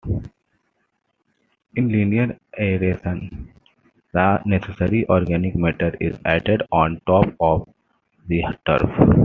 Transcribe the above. In linear aeration, the necessary organic matter is added on top of the turf.